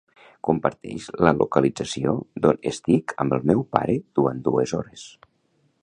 Comparteix la localització d'on estic amb el meu pare durant dues hores.